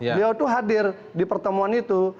beliau itu hadir di pertemuan itu